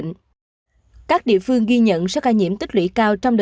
hà giang hai một trăm năm mươi hai